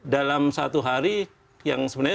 dalam satu hari yang sebenarnya